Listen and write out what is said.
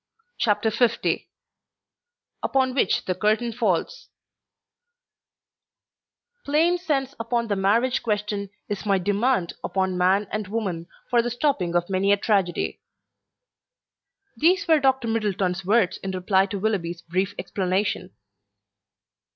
CHAPTER L UPON WHICH THE CURTAIN FALLS "Plain sense upon the marriage question is my demand upon man and woman, for the stopping of many a tragedy." These were Dr. Middleton's words in reply to Willoughby's brief explanation.